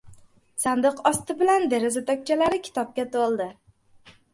Sandiq osti bilan deraza tokchalari kitobga to‘ldi.